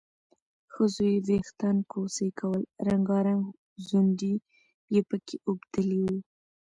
ښځو یې وېښتان کوڅۍ کول، رنګارنګ ځونډي یې پکې اوبدلي وو